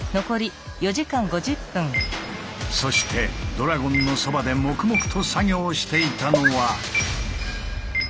そしてドラゴンのそばで黙々と作業していたのは。